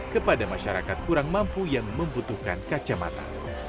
kepada masyarakat kurang mampu yang membutuhkan kacamata